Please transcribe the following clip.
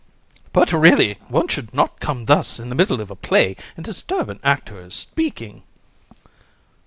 COUN. But, really, one should not come thus in the middle of a play and disturb an actor who is speaking.